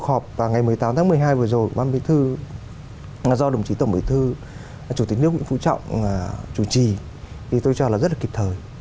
họp ngày một mươi tám tháng một mươi hai vừa rồi của ban bế thư do đồng chí tổng bế thư chủ tịch nước nguyễn phú trọng chủ trì thì tôi cho là rất là kịp thời